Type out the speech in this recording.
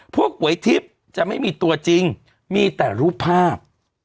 หวยทิพย์จะไม่มีตัวจริงมีแต่รูปภาพ